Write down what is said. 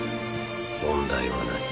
問題はない。